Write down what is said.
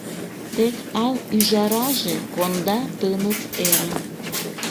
Тек ал ӱжараже Конда тыныс эрым.